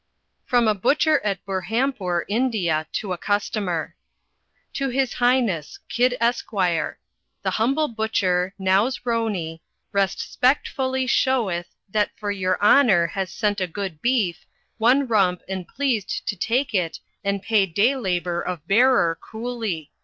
From a butcher at Berhampoor, India, to a customer: "To his Highness Kid Esquire "The humble butcher, Nows Rouny, Restpectfully sheweth that for your honor has sent a good beef, 1 rump and pleased to take it and pay day labor of bearer coolly.